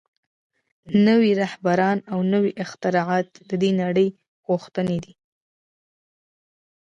نوي رهبران او نوي اختراعات د دې نړۍ غوښتنې دي